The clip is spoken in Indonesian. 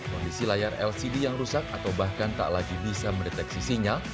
kondisi layar lcd yang rusak atau bahkan tak lagi bisa mendeteksi sinyal